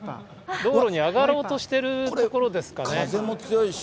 道路に上がろうとしてるところですかね。